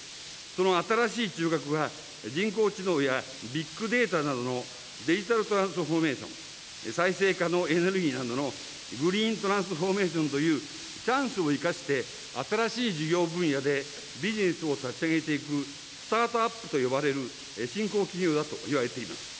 その新しい中核は人工知能やビッグデータなどのデジタルトランスフォーメーション、再生可能エネルギーなどのグリーントランスフォーメーションという、チャンスを生かして、新しい事業分野でビジネスを立ち上げていく、スタートアップと呼ばれる新興企業だといわれています。